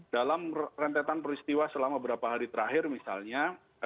dalam rentetan peristiwa selama beberapa hari terakhir misalnya